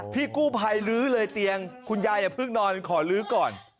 พี่กู้ภัยลื้อเลยเตียงคุณยายอย่าเพิ่งนอนขอลื้อก่อน